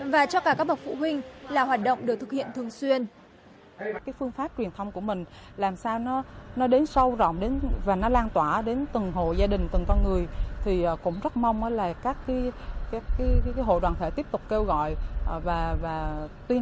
và cho cả các bậc phụ huynh là hoạt động được thực hiện thường xuyên